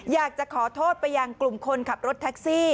อยากจะขอโทษไปยังกลุ่มคนขับรถแท็กซี่